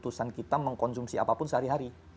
keputusan kita mengkonsumsi apapun sehari hari